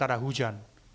yang antara hujan